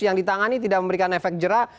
yang ditangani tidak memberikan efek jerah